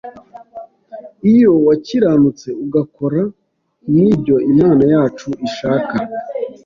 Iyo wakiranutse ugakora n’ibyo Imana yacu ishaka